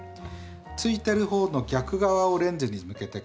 ついてるほうの逆側をレンズに向けてください。